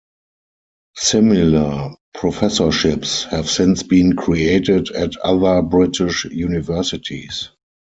Similar professorships have since been created at other British universities.